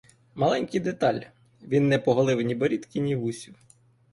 Маленький деталь: він не поголив ні борідки, ні вусів.